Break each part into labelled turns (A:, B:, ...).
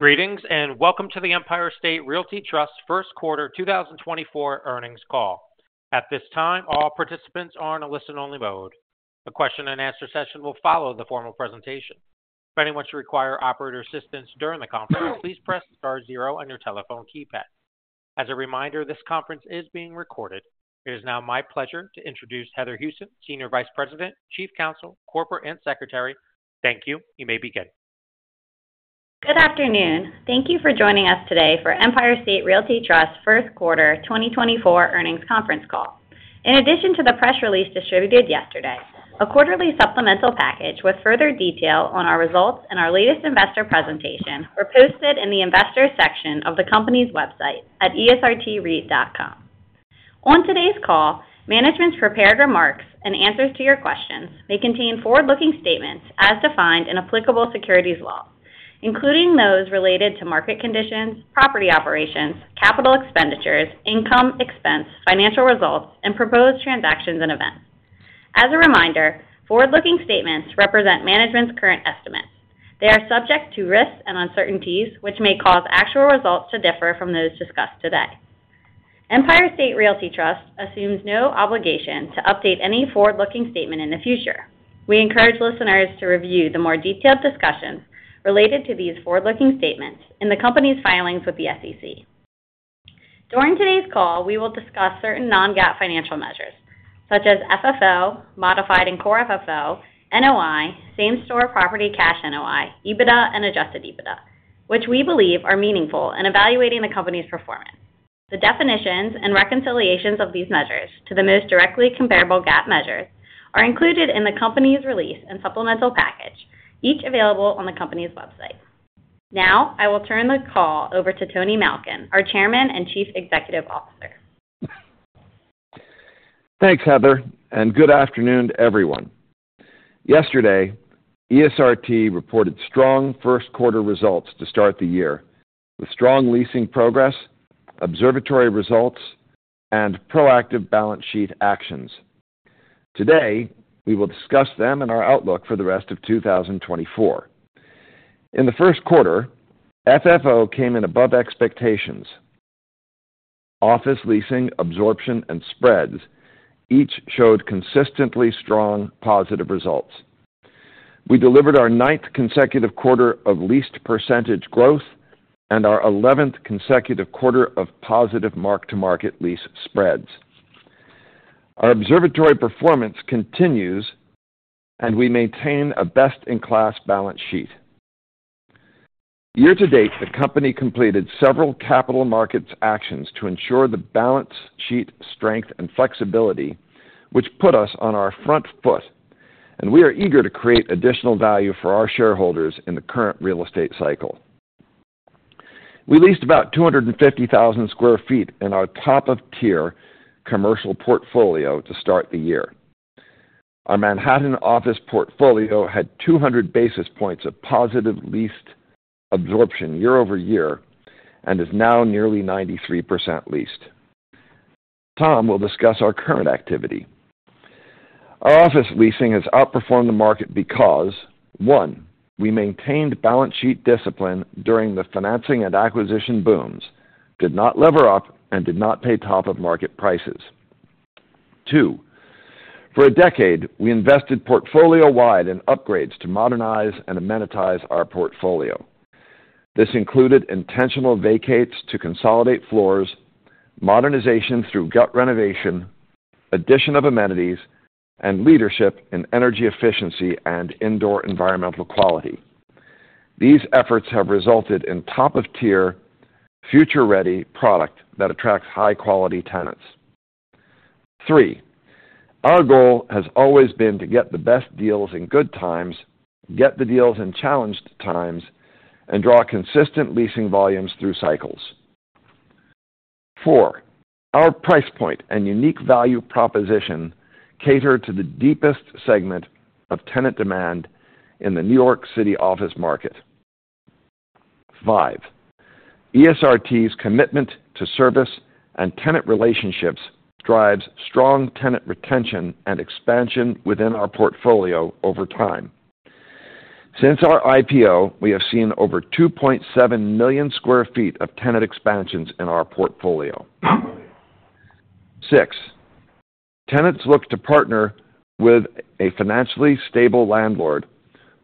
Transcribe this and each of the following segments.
A: Greetings and welcome to the Empire State Realty Trust first quarter 2024 earnings call. At this time, all participants are in a listen-only mode. A question-and-answer session will follow the formal presentation. If anyone should require operator assistance during the conference, please press star zero on your telephone keypad. As a reminder, this conference is being recorded. It is now my pleasure to introduce Heather Houston, Senior Vice President, Chief Counsel, Corporate and Secretary. Thank you. You may begin.
B: Good afternoon. Thank you for joining us today for Empire State Realty Trust First Quarter 2024 earnings conference call. In addition to the press release distributed yesterday, a quarterly supplemental package with further detail on our results and our latest investor presentation were posted in the investors section of the company's website at esrtreit.com. On today's call, management's prepared remarks and answers to your questions may contain forward-looking statements as defined in applicable securities law, including those related to market conditions, property operations, capital expenditures, income/expense, financial results, and proposed transactions and events. As a reminder, forward-looking statements represent management's current estimates. They are subject to risks and uncertainties, which may cause actual results to differ from those discussed today. Empire State Realty Trust assumes no obligation to update any forward-looking statement in the future. We encourage listeners to review the more detailed discussions related to these forward-looking statements in the company's filings with the SEC. During today's call, we will discuss certain non-GAAP financial measures such as FFO, Modified and Core FFO, NOI, Same Store Property Cash NOI, EBITDA, and Adjusted EBITDA, which we believe are meaningful in evaluating the company's performance. The definitions and reconciliations of these measures to the most directly comparable GAAP measures are included in the company's release and supplemental package, each available on the company's website. Now I will turn the call over to Tony Malkin, our Chairman and Chief Executive Officer.
C: Thanks, Heather, and good afternoon, everyone. Yesterday, ESRT reported strong first quarter results to start the year with strong leasing progress, observatory results, and proactive balance sheet actions. Today, we will discuss them and our outlook for the rest of 2024. In the first quarter, FFO came in above expectations. Office leasing, absorption, and spreads each showed consistently strong positive results. We delivered our ninth consecutive quarter of lease percentage growth and our eleventh consecutive quarter of positive mark-to-market lease spreads. Our observatory performance continues, and we maintain a best-in-class balance sheet. Year to date, the company completed several capital markets actions to ensure the balance sheet strength and flexibility, which put us on our front foot, and we are eager to create additional value for our shareholders in the current real estate cycle. We leased about 250,000 sq ft in our top-tier commercial portfolio to start the year. Our Manhattan office portfolio had 200 basis points of positive leased absorption year-over-year and is now nearly 93% leased. Tom will discuss our current activity. Our office leasing has outperformed the market because, one, we maintained balance sheet discipline during the financing and acquisition booms, did not lever up, and did not pay top-of-market prices. Two, for a decade, we invested portfolio-wide in upgrades to modernize and amenitize our portfolio. This included intentional vacates to consolidate floors, modernization through gut renovation, addition of amenities, and leadership in energy efficiency and indoor environmental quality. These efforts have resulted in top-of-tier, future-ready product that attracts high-quality tenants. Three, our goal has always been to get the best deals in good times, get the deals in challenged times, and draw consistent leasing volumes through cycles. Four, our price point and unique value proposition cater to the deepest segment of tenant demand in the New York City office market. 5, ESRT's commitment to service and tenant relationships drives strong tenant retention and expansion within our portfolio over time. Since our IPO, we have seen over 2.7 million sq ft of tenant expansions in our portfolio. six, tenants look to partner with a financially stable landlord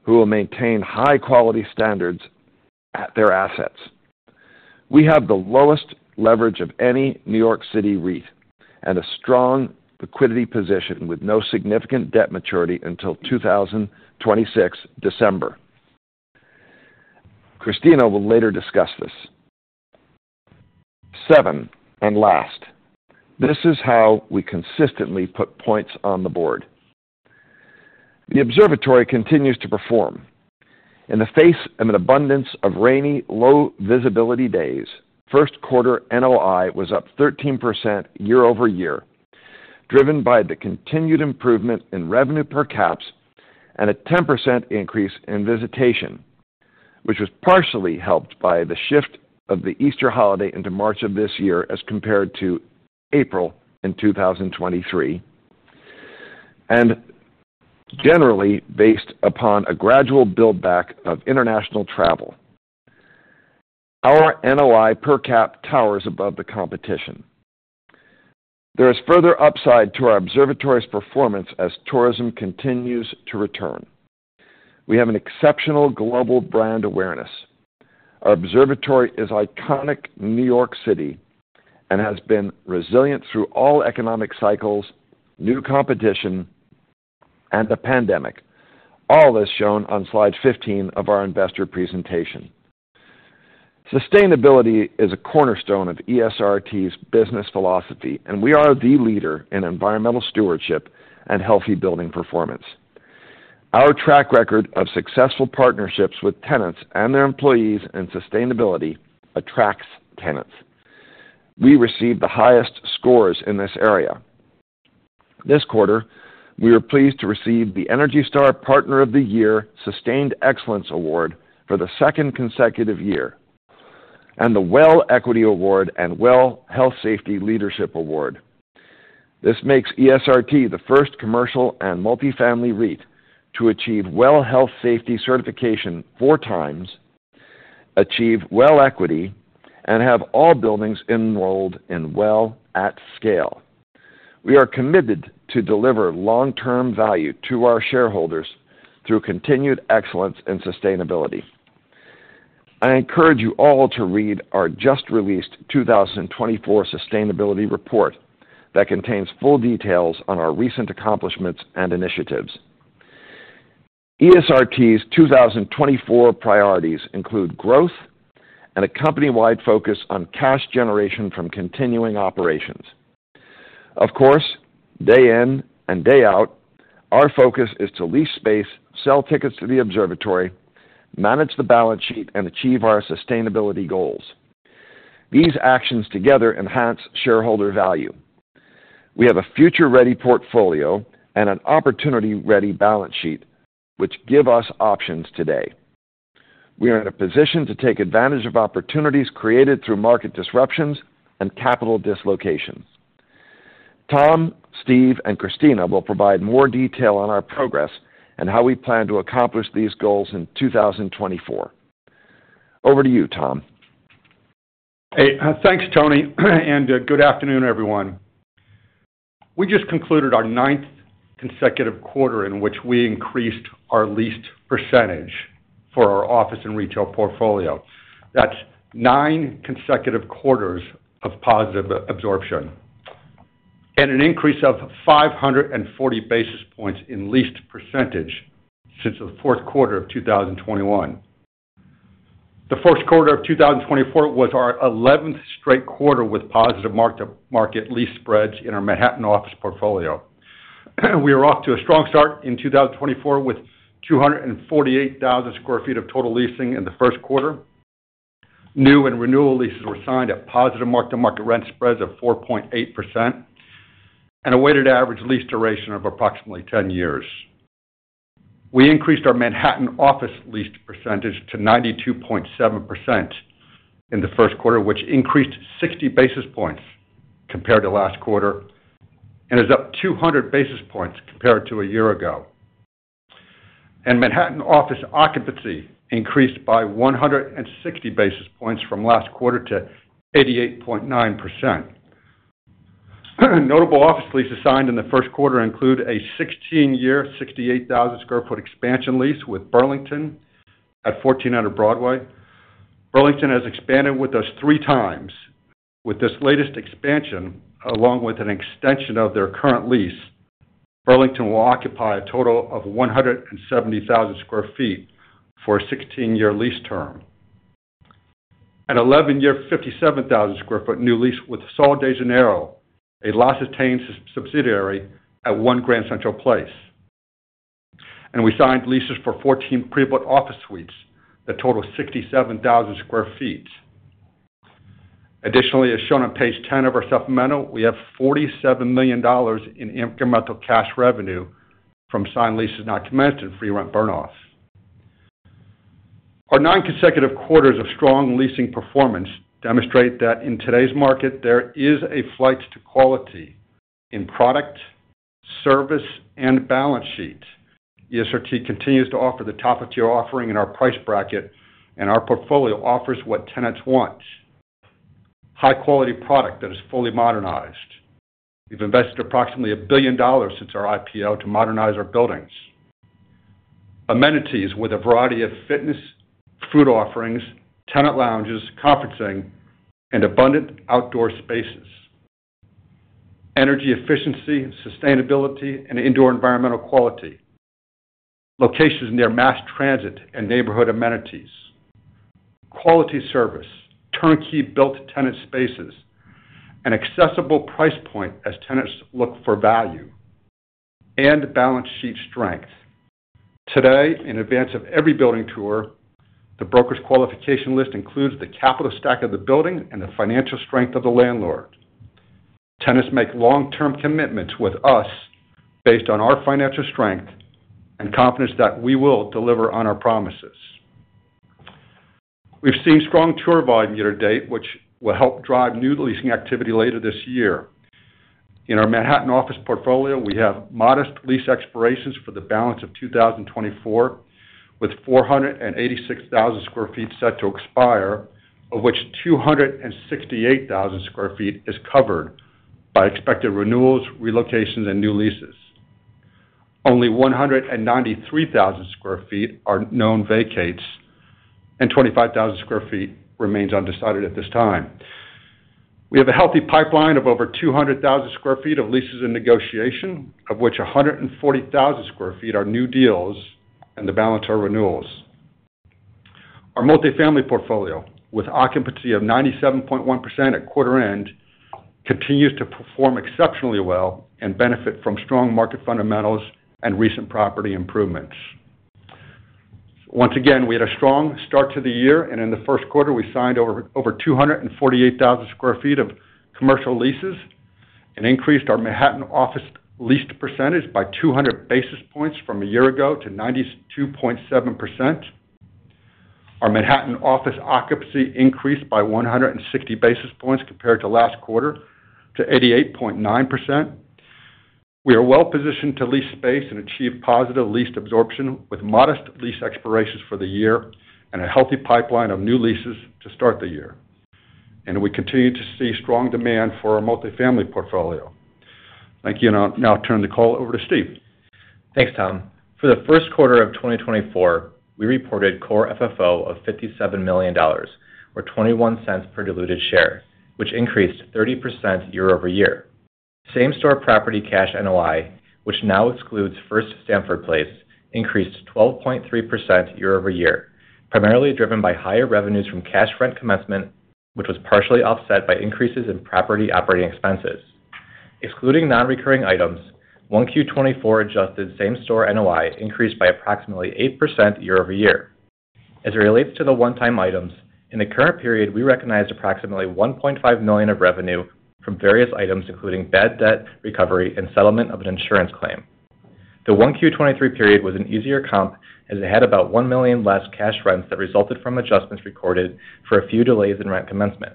C: who will maintain high-quality standards at their assets. We have the lowest leverage of any New York City REIT and a strong liquidity position with no significant debt maturity until December 2026. Christina will later discuss this. seven, and last, this is how we consistently put points on the board. The observatory continues to perform. In the face of an abundance of rainy, low-visibility days, first quarter NOI was up 13% year-over-year, driven by the continued improvement in revenue per caps and a 10% increase in visitation, which was partially helped by the shift of the Easter holiday into March of this year as compared to April in 2023, and generally based upon a gradual buildback of international travel. Our NOI per cap towers above the competition. There is further upside to our observatory's performance as tourism continues to return. We have an exceptional global brand awareness. Our observatory is iconic New York City and has been resilient through all economic cycles, new competition, and the pandemic, all as shown on slide 15 of our investor presentation. Sustainability is a cornerstone of ESRT's business philosophy, and we are the leader in environmental stewardship and healthy building performance. Our track record of successful partnerships with tenants and their employees in sustainability attracts tenants. We receive the highest scores in this area. This quarter, we were pleased to receive the ENERGY STAR Partner of the Year Sustained Excellence Award for the second consecutive year, and the WELL Equity Award and WELL Health-Safety Leadership Award. This makes ESRT the first commercial and multifamily REIT to achieve WELL Health-Safety certification four times, achieve WELL Equity, and have all buildings enrolled in WELL at scale. We are committed to deliver long-term value to our shareholders through continued excellence and sustainability. I encourage you all to read our just-released 2024 Sustainability Report that contains full details on our recent accomplishments and initiatives. ESRT's 2024 priorities include growth and a company-wide focus on cash generation from continuing operations. Of course, day in and day out, our focus is to lease space, sell tickets to the observatory, manage the balance sheet, and achieve our sustainability goals. These actions together enhance shareholder value. We have a future-ready portfolio and an opportunity-ready balance sheet, which give us options today. We are in a position to take advantage of opportunities created through market disruptions and capital dislocation. Tom, Steve, and Christina will provide more detail on our progress and how we plan to accomplish these goals in 2024. Over to you, Tom.
D: Hey, thanks, Tony, and good afternoon, everyone. We just concluded our ninth consecutive quarter in which we increased our leased percentage for our office and retail portfolio. That's nine consecutive quarters of positive absorption and an increase of 540 basis points in leased percentage since the fourth quarter of 2021. The first quarter of 2024 was our eleventh straight quarter with positive mark-to-market lease spreads in our Manhattan office portfolio. We are off to a strong start in 2024 with 248,000 sq ft of total leasing in the first quarter. New and renewal leases were signed at positive mark-to-market rent spreads of 4.8% and a weighted average lease duration of approximately 10 years. We increased our Manhattan office leased percentage to 92.7% in the first quarter, which increased 60 basis points compared to last quarter and is up 200 basis points compared to a year ago. Manhattan office occupancy increased by 160 basis points from last quarter to 88.9%. Notable office leases signed in the first quarter include a 16-year, 68,000 sq ft expansion lease with Burlington at 1400 Broadway. Burlington has expanded with us three times. With this latest expansion, along with an extension of their current lease, Burlington will occupy a total of 170,000 sq ft for a 16-year lease term. An 11-year, 57,000 sq ft new lease with Sol de Janeiro, a L'Occitane subsidiary at One Grand Central Place. We signed leases for 14 pre-built office suites that total 67,000 sq ft. Additionally, as shown on page 10 of our supplemental, we have $47 million in incremental cash revenue from signed leases not commenced and free rent burn-off. Our nine consecutive quarters of strong leasing performance demonstrate that in today's market, there is a flight to quality in product, service, and balance sheet. ESRT continues to offer the top-of-tier offering in our price bracket, and our portfolio offers what tenants want: high-quality product that is fully modernized. We've invested approximately $1 billion since our IPO to modernize our buildings, amenities with a variety of fitness, food offerings, tenant lounges, conferencing, and abundant outdoor spaces, energy efficiency, sustainability, and indoor environmental quality, locations near mass transit and neighborhood amenities, quality service, turnkey built tenant spaces, an accessible price point as tenants look for value, and balance sheet strength. Today, in advance of every building tour, the broker's qualification list includes the capital stack of the building and the financial strength of the landlord. Tenants make long-term commitments with us based on our financial strength and confidence that we will deliver on our promises. We've seen strong tour volume year to date, which will help drive new leasing activity later this year. In our Manhattan office portfolio, we have modest lease expirations for the balance of 2024 with 486,000 sq ft set to expire, of which 268,000 sq ft is covered by expected renewals, relocations, and new leases. Only 193,000 sq ft are known vacates, and 25,000 sq ft remains undecided at this time. We have a healthy pipeline of over 200,000 sq ft of leases in negotiation, of which 140,000 sq ft are new deals and the balance are renewals. Our multifamily portfolio, with occupancy of 97.1% at quarter end, continues to perform exceptionally well and benefit from strong market fundamentals and recent property improvements. Once again, we had a strong start to the year, and in the first quarter, we signed over 248,000 sq ft of commercial leases and increased our Manhattan office leased percentage by 200 basis points from a year ago to 92.7%. Our Manhattan office occupancy increased by 160 basis points compared to last quarter to 88.9%. We are well-positioned to lease space and achieve positive leased absorption with modest lease expirations for the year and a healthy pipeline of new leases to start the year. We continue to see strong demand for our multifamily portfolio. Thank you, and I'll now turn the call over to Steve.
E: Thanks, Tom. For the first quarter of 2024, we reported core FFO of $57 million or $0.21 per diluted share, which increased 30% year-over-year. Same-store property cash NOI, which now excludes First Stamford Place, increased 12.3% year-over-year, primarily driven by higher revenues from cash rent commencement, which was partially offset by increases in property operating expenses. Excluding non-recurring items, 1Q24 adjusted same-store NOI increased by approximately 8% year-over-year. As it relates to the one-time items, in the current period, we recognized approximately $1.5 million of revenue from various items, including bad debt recovery and settlement of an insurance claim. The 1Q23 period was an easier comp as it had about $1 million less cash rents that resulted from adjustments recorded for a few delays in rent commencement.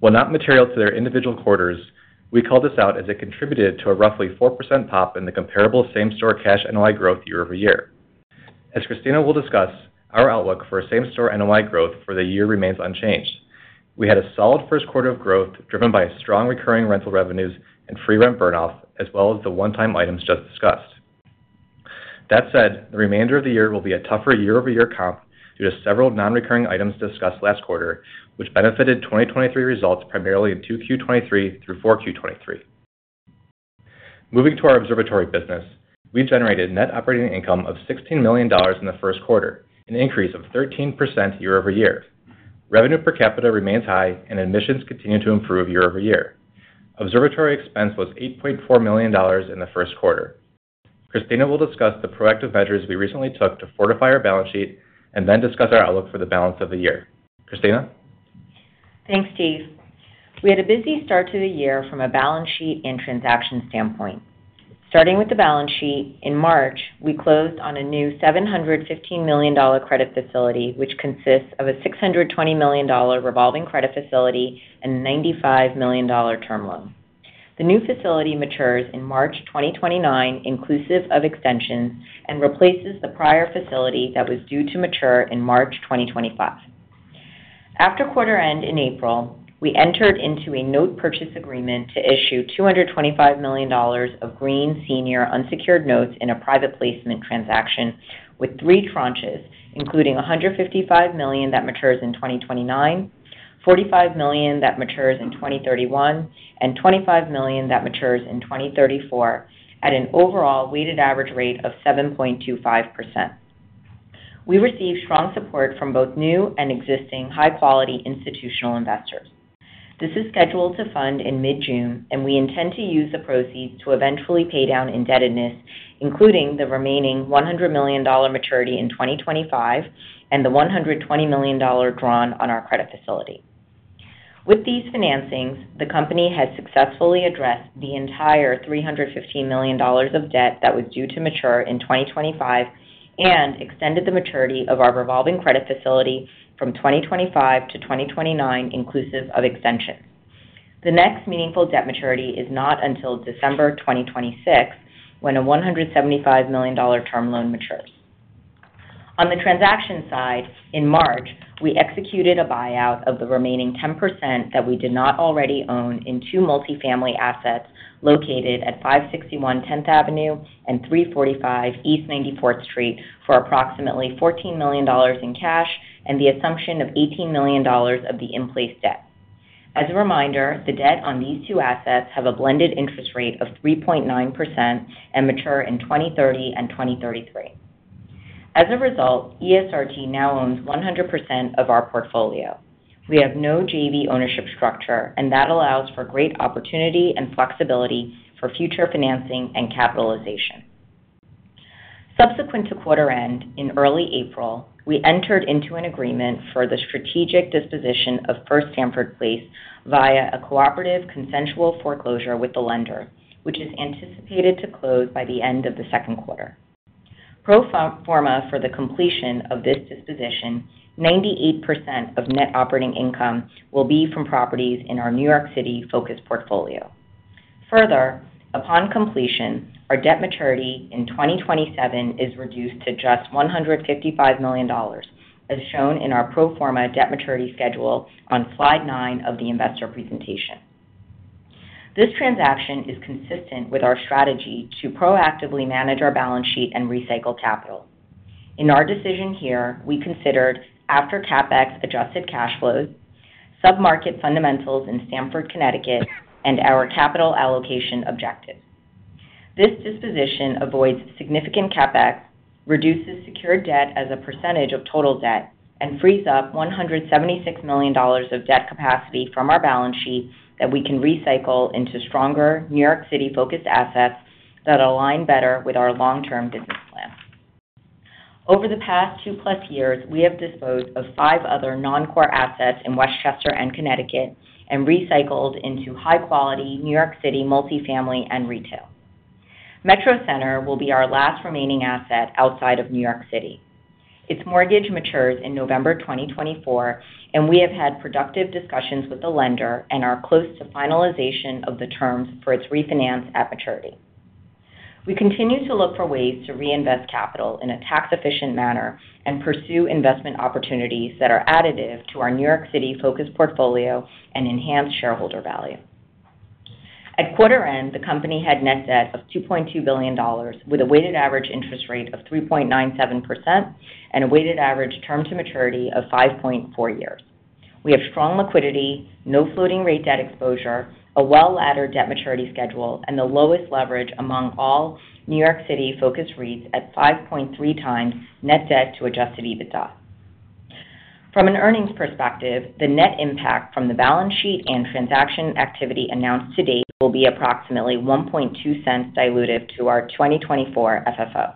E: While not material to their individual quarters, we called this out as it contributed to a roughly 4% pop in the comparable same-store cash NOI growth year-over-year. As Christina will discuss, our outlook for same-store NOI growth for the year remains unchanged. We had a solid first quarter of growth driven by strong recurring rental revenues and free rent burn-off, as well as the one-time items just discussed. That said, the remainder of the year will be a tougher year-over-year comp due to several non-recurring items discussed last quarter, which benefited 2023 results primarily in 2Q23 through 4Q23. Moving to our observatory business, we generated net operating income of $16 million in the first quarter, an increase of 13% year-over-year. Revenue per capita remains high, and admissions continue to improve year-over-year. Observatory expense was $8.4 million in the first quarter. Christina will discuss the proactive measures we recently took to fortify our balance sheet and then discuss our outlook for the balance of the year. Christina?
F: Thanks, Steve. We had a busy start to the year from a balance sheet and transaction standpoint. Starting with the balance sheet, in March, we closed on a new $715 million credit facility, which consists of a $620 million revolving credit facility and a $95 million term loan. The new facility matures in March 2029, inclusive of extensions, and replaces the prior facility that was due to mature in March 2025. After quarter end in April, we entered into a note purchase agreement to issue $225 million of green senior unsecured notes in a private placement transaction with three tranches, including $155 million that matures in 2029, $45 million that matures in 2031, and $25 million that matures in 2034, at an overall weighted average rate of 7.25%. We received strong support from both new and existing high-quality institutional investors. This is scheduled to fund in mid-June, and we intend to use the proceeds to eventually pay down indebtedness, including the remaining $100 million maturity in 2025 and the $120 million drawn on our credit facility. With these financings, the company has successfully addressed the entire $315 million of debt that was due to mature in 2025 and extended the maturity of our revolving credit facility from 2025-2029, inclusive of extensions. The next meaningful debt maturity is not until December 2026, when a $175 million term loan matures. On the transaction side, in March, we executed a buyout of the remaining 10% that we did not already own in two multifamily assets located at 561 10th Avenue and 345 East 94th Street for approximately $14 million in cash and the assumption of $18 million of the in-place debt. As a reminder, the debt on these two assets has a blended interest rate of 3.9% and matures in 2030 and 2033. As a result, ESRT now owns 100% of our portfolio. We have no JV ownership structure, and that allows for great opportunity and flexibility for future financing and capitalization. Subsequent to quarter end in early April, we entered into an agreement for the strategic disposition of First Stamford Place via a cooperative consensual foreclosure with the lender, which is anticipated to close by the end of the second quarter. Pro forma for the completion of this disposition, 98% of net operating income will be from properties in our New York City focus portfolio. Further, upon completion, our debt maturity in 2027 is reduced to just $155 million, as shown in our pro forma debt maturity schedule on slide 9 of the investor presentation. This transaction is consistent with our strategy to proactively manage our balance sheet and recycle capital. In our decision here, we considered after-CapEx adjusted cash flows, submarket fundamentals in Stamford, Connecticut, and our capital allocation objective. This disposition avoids significant CapEx, reduces secured debt as a percentage of total debt, and frees up $176 million of debt capacity from our balance sheet that we can recycle into stronger New York City focused assets that align better with our long-term business plan. Over the past 2+ years, we have disposed of five other non-core assets in Westchester and Connecticut and recycled into high-quality New York City multifamily and retail. Metro Center will be our last remaining asset outside of New York City. Its mortgage matures in November 2024, and we have had productive discussions with the lender and are close to finalization of the terms for its refinance at maturity. We continue to look for ways to reinvest capital in a tax-efficient manner and pursue investment opportunities that are additive to our New York City focus portfolio and enhance shareholder value. At quarter end, the company had net debt of $2.2 billion with a weighted average interest rate of 3.97% and a weighted average term to maturity of 5.4 years. We have strong liquidity, no floating rate debt exposure, a well-laddered debt maturity schedule, and the lowest leverage among all New York City focus REITs at 5.3x net debt to Adjusted EBITDA. From an earnings perspective, the net impact from the balance sheet and transaction activity announced to date will be approximately $0.012 diluted to our 2024 FFO.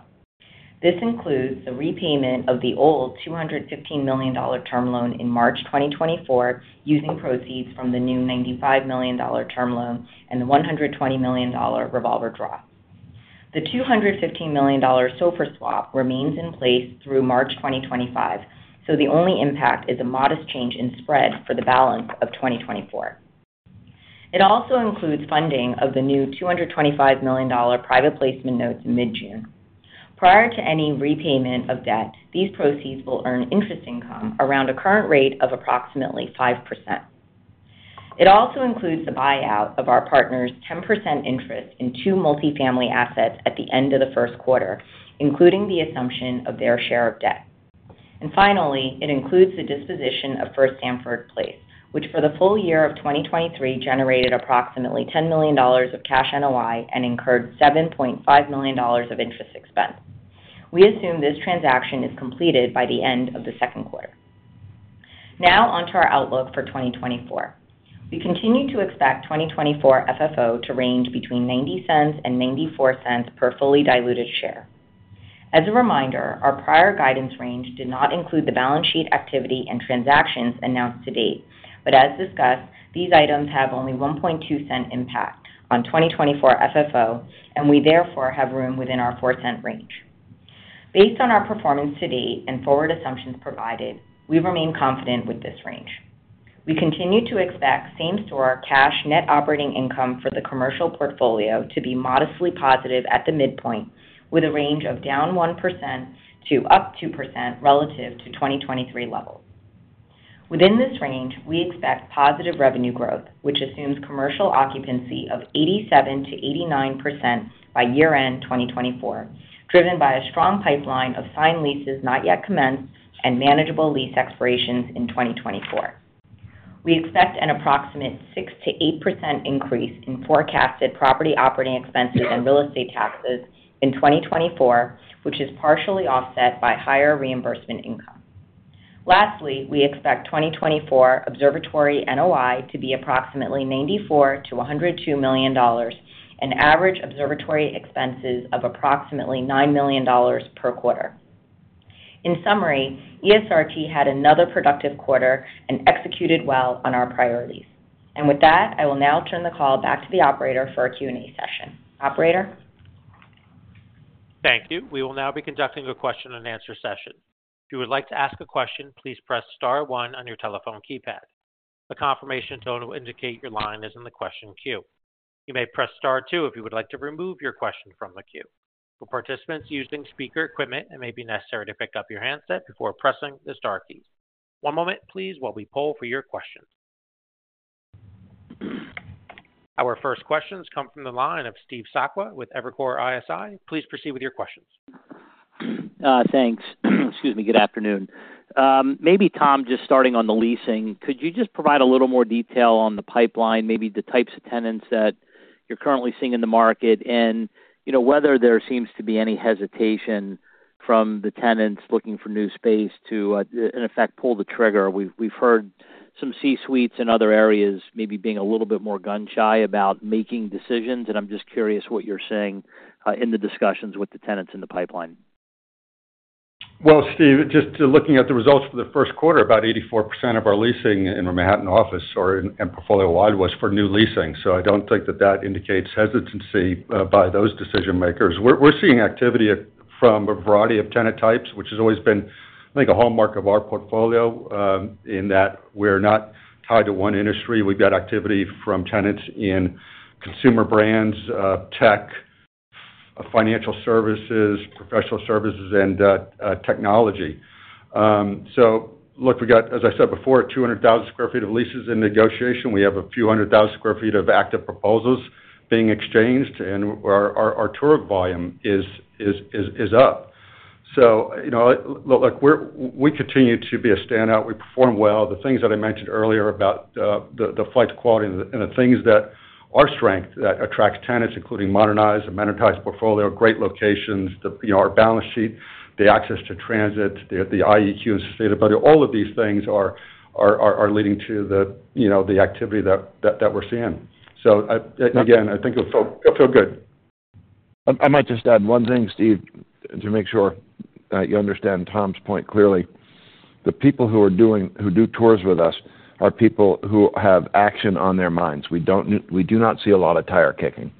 F: This includes the repayment of the old $215 million term loan in March 2024 using proceeds from the new $95 million term loan and the $120 million revolver draws. The $215 million SOFR swap remains in place through March 2025, so the only impact is a modest change in spread for the balance of 2024. It also includes funding of the new $225 million private placement notes mid-June. Prior to any repayment of debt, these proceeds will earn interest income around a current rate of approximately 5%. It also includes the buyout of our partner's 10% interest in two multifamily assets at the end of the first quarter, including the assumption of their share of debt. And finally, it includes the disposition of First Stamford Place, which for the full year of 2023 generated approximately $10 million of cash NOI and incurred $7.5 million of interest expense. We assume this transaction is completed by the end of the second quarter. Now onto our outlook for 2024. We continue to expect 2024 FFO to range between $0.90 and $0.94 per fully diluted share. As a reminder, our prior guidance range did not include the balance sheet activity and transactions announced to date, but as discussed, these items have only $0.012 impact on 2024 FFO, and we therefore have room within our $0.04 range. Based on our performance to date and forward assumptions provided, we remain confident with this range. We continue to expect same-store cash net operating income for the commercial portfolio to be modestly positive at the midpoint, with a range of down 1% to up 2% relative to 2023 levels. Within this range, we expect positive revenue growth, which assumes commercial occupancy of 87%-89% by year-end 2024, driven by a strong pipeline of signed leases not yet commenced and manageable lease expirations in 2024. We expect an approximate 6%-8% increase in forecasted property operating expenses and real estate taxes in 2024, which is partially offset by higher reimbursement income. Lastly, we expect 2024 observatory NOI to be approximately $94 million-$102 million and average observatory expenses of approximately $9 million per quarter. In summary, ESRT had another productive quarter and executed well on our priorities. And with that, I will now turn the call back to the operator for a Q&A session. Operator?
A: Thank you. We will now be conducting a question-and-answer session. If you would like to ask a question, please press star one on your telephone keypad. The confirmation tone will indicate your line is in the question queue. You may press star two if you would like to remove your question from the queue. For participants using speaker equipment, it may be necessary to pick up your handset before pressing the star keys. One moment, please, while we poll for your questions. Our first questions come from the line of Steve Sakwa with Evercore ISI. Please proceed with your questions.
G: Thanks. Excuse me. Good afternoon. Maybe Tom, just starting on the leasing, could you just provide a little more detail on the pipeline, maybe the types of tenants that you're currently seeing in the market, and whether there seems to be any hesitation from the tenants looking for new space to, in effect, pull the trigger? We've heard some C-suites in other areas maybe being a little bit more gun-shy about making decisions, and I'm just curious what you're saying in the discussions with the tenants in the pipeline.
D: Well, Steve, just looking at the results for the first quarter, about 84% of our leasing in the Manhattan office and portfolio-wide was for new leasing, so I don't think that that indicates hesitancy by those decision-makers. We're seeing activity from a variety of tenant types, which has always been, I think, a hallmark of our portfolio in that we're not tied to one industry. We've got activity from tenants in consumer brands, tech, financial services, professional services, and technology. So look, we've got, as I said before, 200,000 sq ft of leases in negotiation. We have a few hundred thousand sq ft of active proposals being exchanged, and our tour volume is up. So look, we continue to be a standout. We perform well. The things that I mentioned earlier about the flight quality and the things that are strength that attract tenants, including modernized, amenitized portfolio, great locations, our balance sheet, the access to transit, the IEQ and sustainability, all of these things are leading to the activity that we're seeing. So again, I think it'll feel good.
C: I might just add one thing, Steve, to make sure you understand Tom's point clearly. The people who do tours with us are people who have action on their minds. We do not see a lot of tire kicking.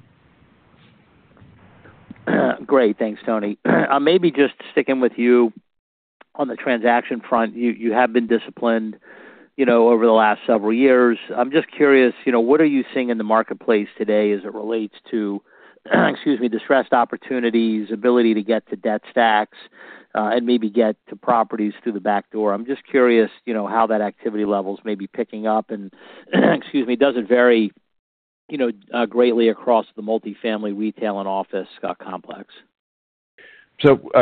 G: Great. Thanks, Tony. Maybe just sticking with you on the transaction front, you have been disciplined over the last several years. I'm just curious, what are you seeing in the marketplace today as it relates to, excuse me, distressed opportunities, ability to get to debt stacks, and maybe get to properties through the back door? I'm just curious how that activity level's maybe picking up and, excuse me, does it vary greatly across the multifamily retail and office complex?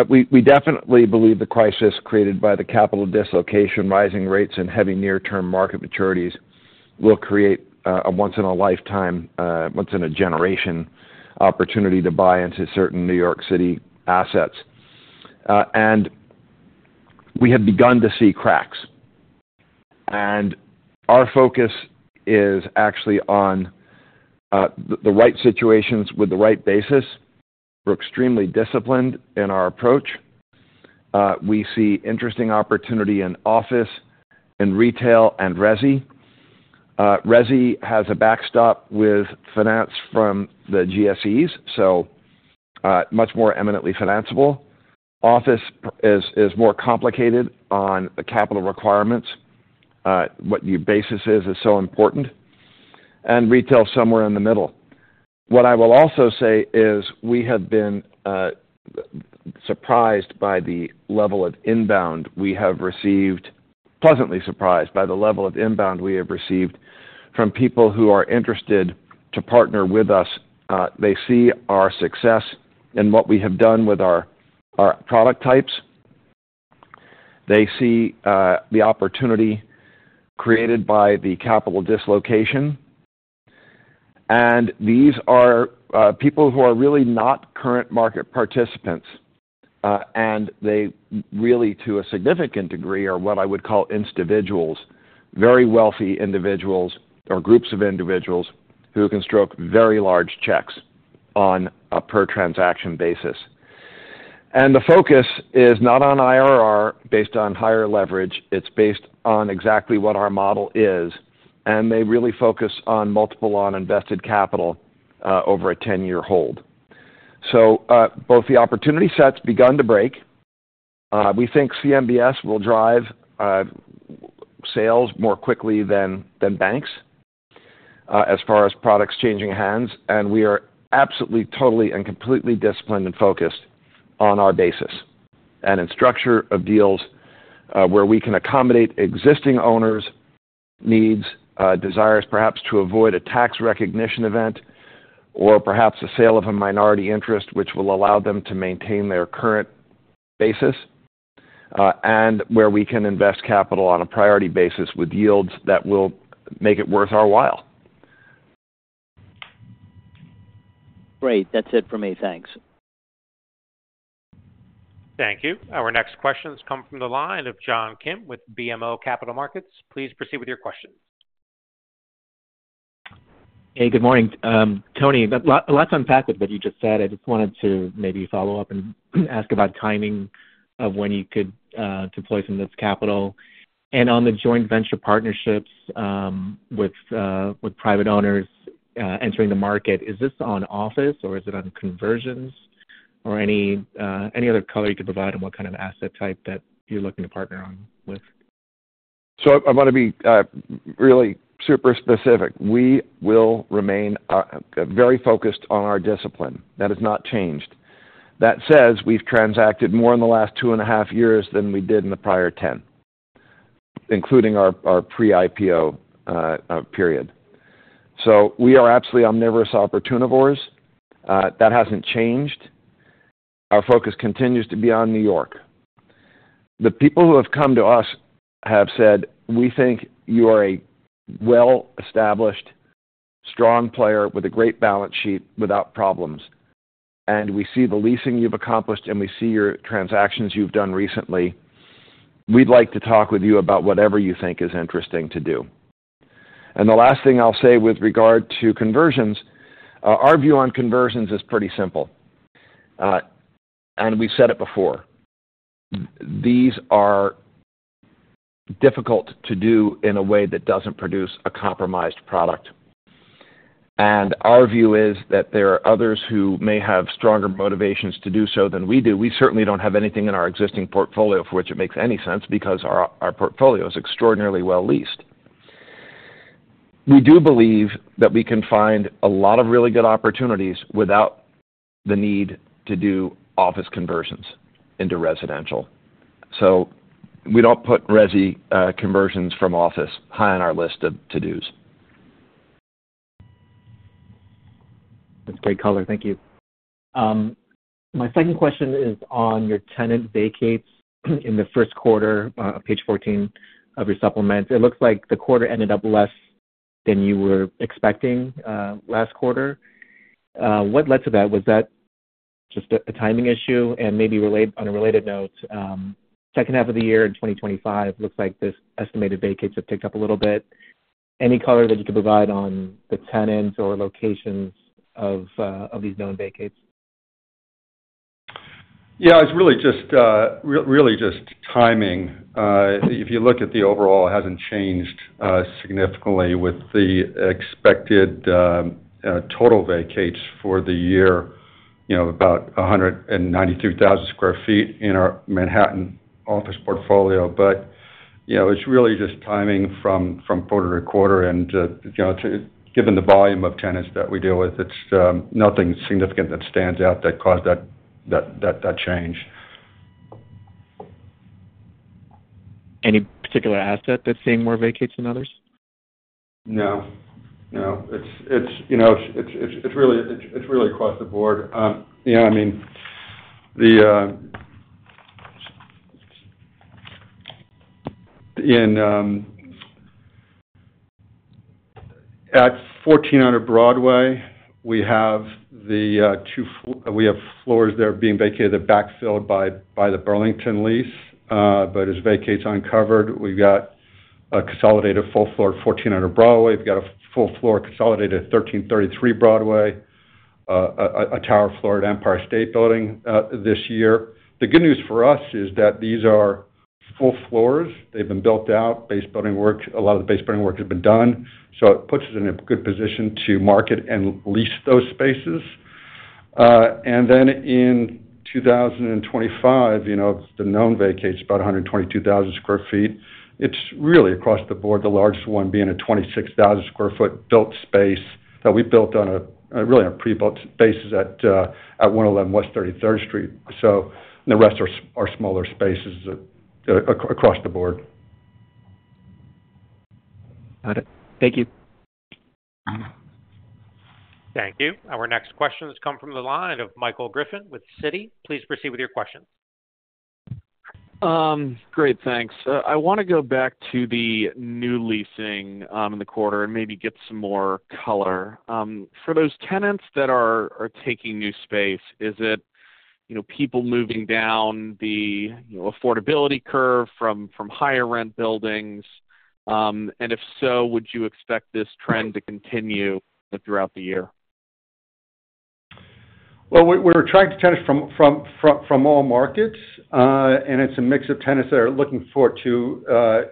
C: We definitely believe the crisis created by the capital dislocation, rising rates, and heavy near-term market maturities will create a once-in-a-lifetime, once-in-a-generation opportunity to buy into certain New York City assets. We have begun to see cracks. Our focus is actually on the right situations with the right basis. We're extremely disciplined in our approach. We see interesting opportunity in office and retail and resi. Resi has a backstop with finance from the GSEs, so much more eminently financiable. Office is more complicated on the capital requirements. What your basis is, is so important. Retail somewhere in the middle. What I will also say is we have been surprised by the level of inbound we have received, pleasantly surprised by the level of inbound we have received from people who are interested to partner with us. They see our success in what we have done with our product types. They see the opportunity created by the capital dislocation. And these are people who are really not current market participants, and they really, to a significant degree, are what I would call individuals, very wealthy individuals or groups of individuals who can stroke very large checks on a per-transaction basis. And the focus is not on IRR based on higher leverage. It's based on exactly what our model is, and they really focus on multiple-on-invested capital over a 10-year hold. So both the opportunity sets began to break. We think CMBS will drive sales more quickly than banks as far as products changing hands, and we are absolutely, totally, and completely disciplined and focused on our basis and in structure of deals where we can accommodate existing owners' needs, desires perhaps to avoid a tax recognition event or perhaps a sale of a minority interest, which will allow them to maintain their current basis, and where we can invest capital on a priority basis with yields that will make it worth our while.
G: Great. That's it for me. Thanks.
A: Thank you. Our next questions come from the line of John Kim with BMO Capital Markets. Please proceed with your questions.
H: Hey, good morning. Tony, a lot to unpack with what you just said. I just wanted to maybe follow up and ask about timing of when you could deploy some of this capital. And on the joint venture partnerships with private owners entering the market, is this on office, or is it on conversions, or any other color you could provide on what kind of asset type that you're looking to partner on with?
C: So I want to be really super specific. We will remain very focused on our discipline. That has not changed. That says we've transacted more in the last 2.5 years than we did in the prior 10, including our pre-IPO period. So we are absolutely omnivorous opportunivores. That hasn't changed. Our focus continues to be on New York. The people who have come to us have said, "We think you are a well-established, strong player with a great balance sheet without problems. And we see the leasing you've accomplished, and we see your transactions you've done recently. We'd like to talk with you about whatever you think is interesting to do." And the last thing I'll say with regard to conversions, our view on conversions is pretty simple, and we've said it before. These are difficult to do in a way that doesn't produce a compromised product. Our view is that there are others who may have stronger motivations to do so than we do. We certainly don't have anything in our existing portfolio for which it makes any sense because our portfolio is extraordinarily well leased. We do believe that we can find a lot of really good opportunities without the need to do office conversions into residential. We don't put resi conversions from office high on our list of to-dos.
H: That's great, color. Thank you. My second question is on your tenant vacates in the first quarter, page 14 of your supplements. It looks like the quarter ended up less than you were expecting last quarter. What led to that? Was that just a timing issue? And maybe on a related note, second half of the year in 2025, it looks like this estimated vacates have picked up a little bit. Any color that you could provide on the tenants or locations of these known vacates?
D: Yeah. It's really just timing. If you look at the overall, it hasn't changed significantly with the expected total vacates for the year, about 193,000 sq ft in our Manhattan office portfolio. But it's really just timing from quarter to quarter. And given the volume of tenants that we deal with, it's nothing significant that stands out that caused that change.
H: Any particular asset that's seeing more vacates than others?
D: No. No. It's really across the board. Yeah. I mean, at 1400 Broadway, we have floors there being vacated that backfilled by the Burlington lease, but as vacates uncovered, we've got a consolidated full-floor at 1400 Broadway. We've got a full-floor consolidated at 1333 Broadway, a tower floor at Empire State Building this year. The good news for us is that these are full floors. They've been built out. A lot of the base building work has been done. So it puts us in a good position to market and lease those spaces. And then in 2025, the known vacates, about 122,000 sq ft, it's really across the board, the largest one being a 26,000 sq ft built space that we built on really on pre-built bases at 111 West 33rd Street. And the rest are smaller spaces across the board.
H: Got it. Thank you.
A: Thank you. Our next questions come from the line of Michael Griffin with Citi. Please proceed with your questions.
I: Great. Thanks. I want to go back to the new leasing in the quarter and maybe get some more color. For those tenants that are taking new space, is it people moving down the affordability curve from higher-rent buildings? And if so, would you expect this trend to continue throughout the year?
D: Well, we're attracting tenants from all markets, and it's a mix of tenants that are looking forward to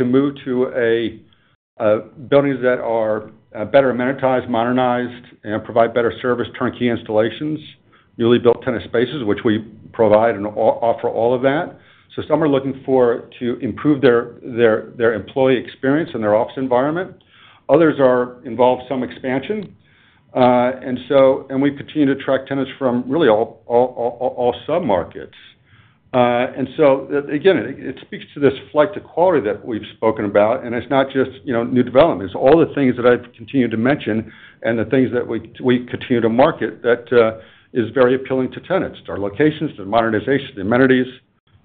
D: moving to buildings that are better amenitized, modernized, and provide better service, turnkey installations, newly built tenant spaces, which we provide and offer all of that. So some are looking forward to improving their employee experience and their office environment. Others are involved in some expansion. And we continue to attract tenants from really all sub-markets. And so again, it speaks to this flight to quality that we've spoken about, and it's not just new development. It's all the things that I've continued to mention and the things that we continue to market that is very appealing to tenants. Our locations, the modernization, the amenities,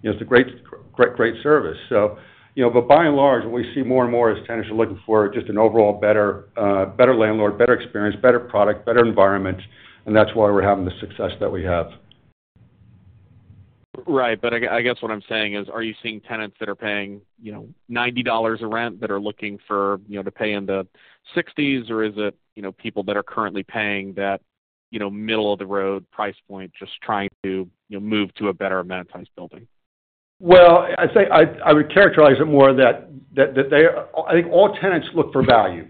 D: it's a great, great service. But by and large, what we see more and more is tenants are looking for just an overall better landlord, better experience, better product, better environment, and that's why we're having the success that we have.
I: Right. But I guess what I'm saying is, are you seeing tenants that are paying $90 a rent that are looking to pay into 60s, or is it people that are currently paying that middle-of-the-road price point just trying to move to a better amenitized building?
D: Well, I would characterize it more that I think all tenants look for value.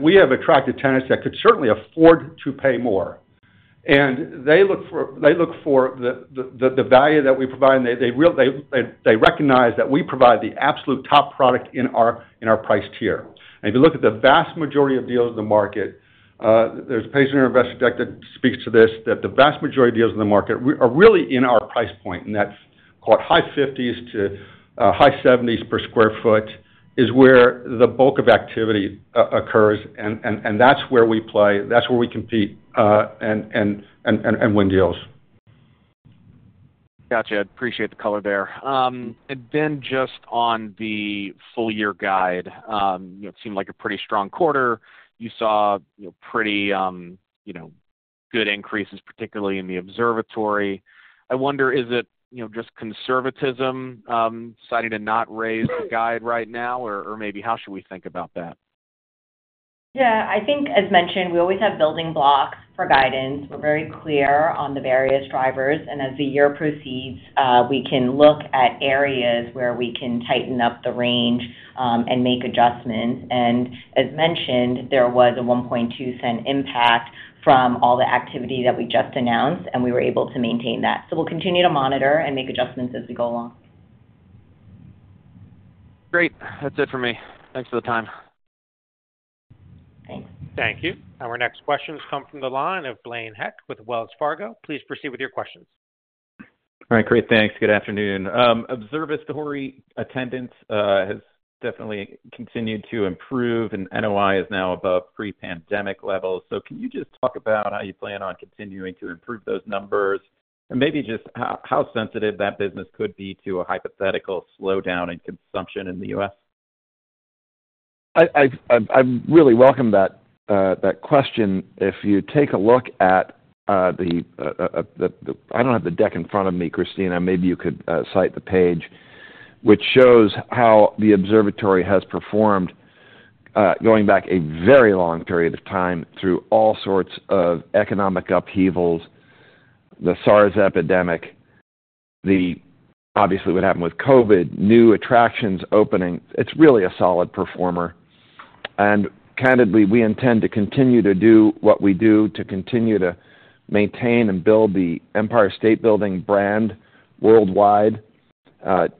D: We have attracted tenants that could certainly afford to pay more. They look for the value that we provide, and they recognize that we provide the absolute top product in our price tier. If you look at the vast majority of deals in the market, there's a presentation and investor deck that speaks to this, that the vast majority of deals in the market are really in our price point, and that's called high 50s-high 70s per sq ft, where the bulk of activity occurs, and that's where we play. That's where we compete and win deals.
I: Gotcha. I appreciate the color there. Then just on the full-year guide, it seemed like a pretty strong quarter. You saw pretty good increases, particularly in the observatory. I wonder, is it just conservatism deciding to not raise the guide right now, or maybe how should we think about that?
F: Yeah. I think, as mentioned, we always have building blocks for guidance. We're very clear on the various drivers. And as the year proceeds, we can look at areas where we can tighten up the range and make adjustments. And as mentioned, there was a $0.012 impact from all the activity that we just announced, and we were able to maintain that. So we'll continue to monitor and make adjustments as we go along.
I: Great. That's it for me. Thanks for the time.
F: Thanks.
A: Thank you. Our next questions come from the line of Blaine Heck with Wells Fargo. Please proceed with your questions.
J: All right. Great. Thanks. Good afternoon. Observatory attendance has definitely continued to improve, and NOI is now above pre-pandemic levels. So can you just talk about how you plan on continuing to improve those numbers and maybe just how sensitive that business could be to a hypothetical slowdown in consumption in the U.S.?
C: I really welcome that question. If you take a look at – I don't have the deck in front of me, Christina. Maybe you could cite the page, which shows how the observatory has performed going back a very long period of time through all sorts of economic upheavals, the SARS epidemic, obviously, what happened with COVID, new attractions opening. It's really a solid performer. And candidly, we intend to continue to do what we do to continue to maintain and build the Empire State Building brand worldwide,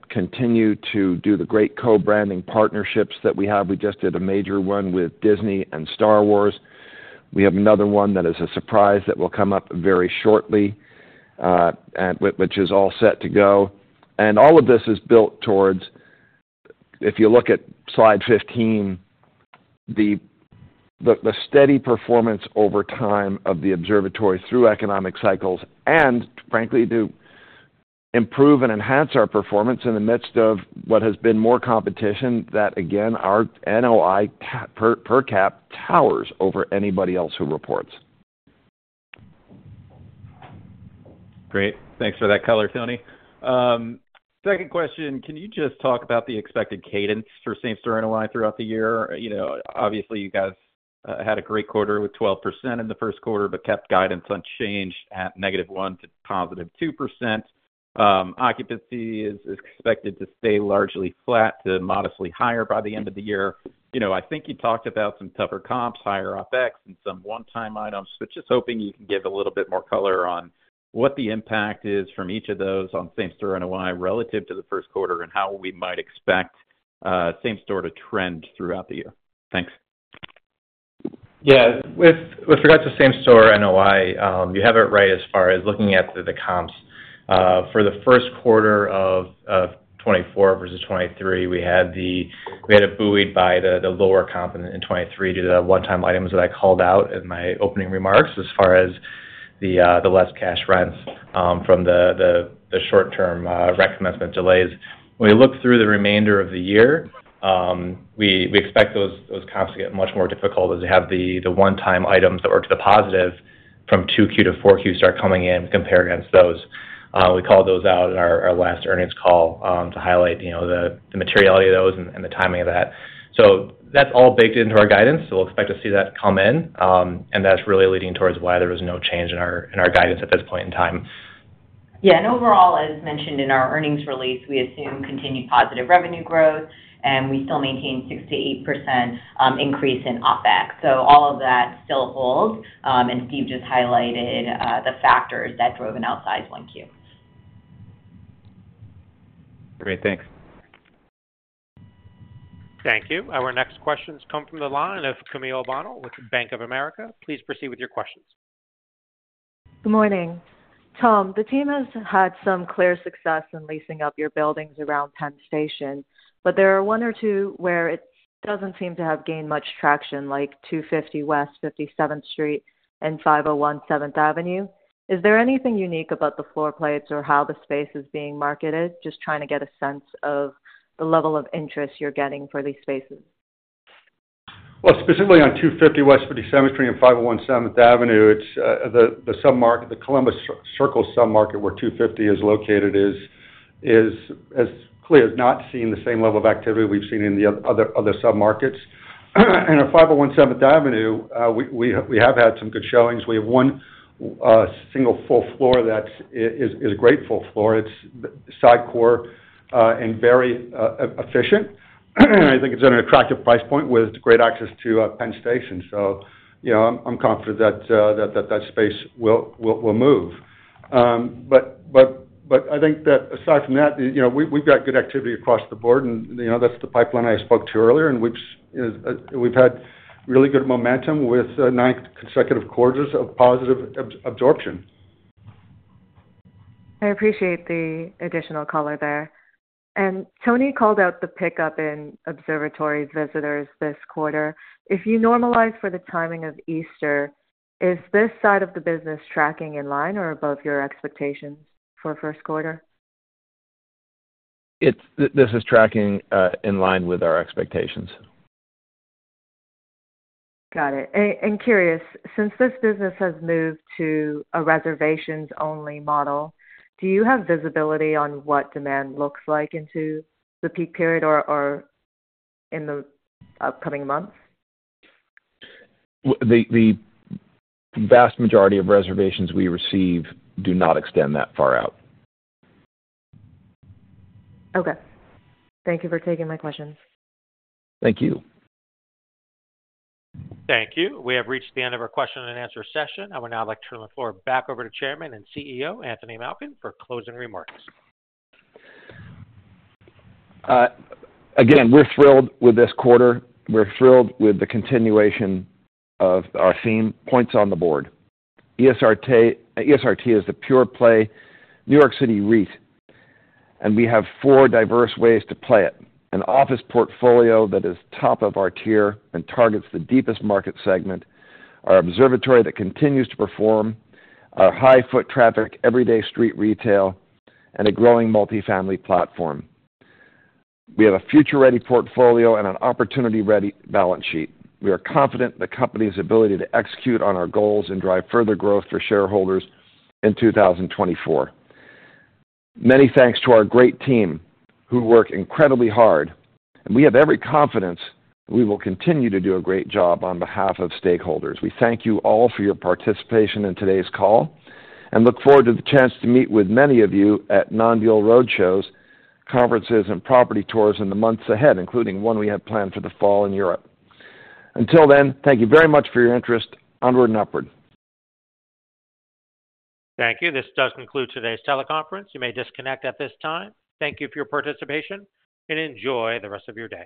C: continue to do the great co-branding partnerships that we have. We just did a major one with Disney and Star Wars. We have another one that is a surprise that will come up very shortly, which is all set to go. All of this is built towards, if you look at slide 15, the steady performance over time of the observatory through economic cycles and, frankly, to improve and enhance our performance in the midst of what has been more competition that, again, our NOI per cap towers over anybody else who reports.
J: Great. Thanks for that color, Tony. Second question, can you just talk about the expected cadence for Same-Store NOI throughout the year? Obviously, you guys had a great quarter with 12% in the first quarter but kept guidance unchanged at -1% to +2%. Occupancy is expected to stay largely flat to modestly higher by the end of the year. I think you talked about some tougher comps, higher OpEx, and some one-time items, but just hoping you can give a little bit more color on what the impact is from each of those on Same-Store NOI relative to the first quarter and how we might expect Same-Store to trend throughout the year. Thanks.
E: Yeah. With regards to Same-Store NOI, you have it right as far as looking at the comps. For the first quarter of 2024 versus 2023, we had it buoyed by the lower comp in 2023 due to the one-time items that I called out in my opening remarks as far as the less cash rents from the short-term recommencement delays. When we look through the remainder of the year, we expect those comps to get much more difficult as we have the one-time items that were to the positive from 2Q to 4Q start coming in and compare against those. We called those out in our last earnings call to highlight the materiality of those and the timing of that. So that's all baked into our guidance. We'll expect to see that come in, and that's really leading towards why there was no change in our guidance at this point in time.
F: Yeah. And overall, as mentioned in our earnings release, we assume continued positive revenue growth, and we still maintain 6%-8% increase in OpEx. So all of that still holds. And Steve just highlighted the factors that drove an outsized 1Q.
J: Great. Thanks.
A: Thank you. Our next questions come from the line of Camille Bonnel with Bank of America. Please proceed with your questions.
K: Good morning. Tom, the team has had some clear success in leasing up your buildings around Penn Station, but there are one or two where it doesn't seem to have gained much traction, like 250 West 57th Street, and 501 Seventh Avenue. Is there anything unique about the floor plates or how the space is being marketed, just trying to get a sense of the level of interest you're getting for these spaces?
D: Well, specifically on 250 West 57th Street and 501 Seventh Avenue, the Columbus Circle submarket where 250 is located isn't seeing the same level of activity we've seen in the other submarkets. And on 501 Seventh Avenue, we have had some good showings. We have one single full floor that is a great full floor. It's side core and very efficient. I think it's at an attractive price point with great access to Penn Station. So I'm confident that that space will move. But I think that aside from that, we've got good activity across the board, and that's the pipeline I spoke to earlier. And we've had really good momentum with nine consecutive quarters of positive absorption.
K: I appreciate the additional color there. Tony called out the pickup in observatory visitors this quarter. If you normalize for the timing of Easter, is this side of the business tracking in line or above your expectations for first quarter?
C: This is tracking in line with our expectations.
K: Got it. Curious, since this business has moved to a reservations-only model, do you have visibility on what demand looks like into the peak period or in the upcoming months?
D: The vast majority of reservations we receive do not extend that far out.
K: Okay. Thank you for taking my questions.
D: Thank you.
A: Thank you. We have reached the end of our question-and-answer session. I would now like to turn the floor back over to Chairman and CEO Anthony Malkin for closing remarks.
C: Again, we're thrilled with this quarter. We're thrilled with the continuation of our theme points on the board. ESRT is the pure-play New York City REIT, and we have four diverse ways to play it: an office portfolio that is top of our tier and targets the deepest market segment, our observatory that continues to perform, our high-foot traffic everyday street retail, and a growing multifamily platform. We have a future-ready portfolio and an opportunity-ready balance sheet. We are confident in the company's ability to execute on our goals and drive further growth for shareholders in 2024. Many thanks to our great team who work incredibly hard, and we have every confidence we will continue to do a great job on behalf of stakeholders. We thank you all for your participation in today's call and look forward to the chance to meet with many of you at non-deal roadshows, conferences, and property tours in the months ahead, including one we have planned for the fall in Europe. Until then, thank you very much for your interest onward and upward.
A: Thank you. This does conclude today's teleconference. You may disconnect at this time. Thank you for your participation and enjoy the rest of your day.